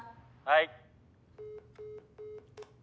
はい。